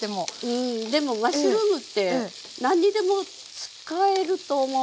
うんでもマッシュルームって何にでも使えると思うのね。